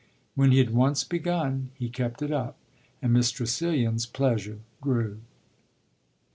When he had once begun he kept it up, and Miss Tressilian's pleasure grew.